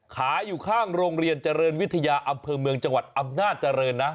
อยู่ข้างโรงเรียนเจริญวิทยาอำเภอเมืองจังหวัดอำนาจเจริญนะ